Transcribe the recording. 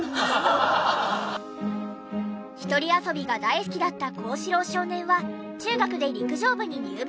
１人遊びが大好きだった幸四郎少年は中学で陸上部に入部。